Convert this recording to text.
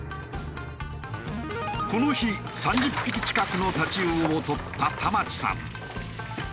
この日３０匹近くのタチウオをとった田町さん。